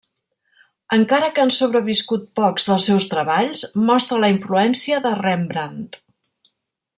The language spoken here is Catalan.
Encara que han sobreviscut pocs dels seus treballs, mostra la influència de Rembrandt.